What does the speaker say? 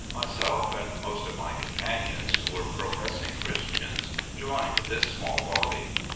Myself and most of my com panions who were professing Christians, joined this small body.